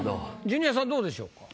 ジュニアさんどうでしょうか？